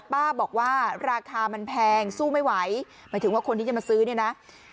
ป้าบอกว่าราคามันแพงสู้ไม่ไหวหมายถึงว่าคนที่จะมาซื้อเนี่ยนะ